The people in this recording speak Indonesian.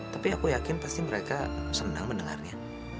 tapi aku yakin pasti mereka senang mendengarnya